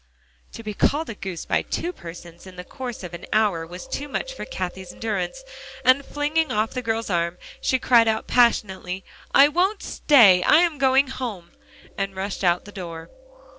To be called a goose by two persons in the course of an hour was too much for Cathie's endurance, and flinging off the girl's arm, she cried out passionately, "I won't stay; I'm going home!" and rushed out the door.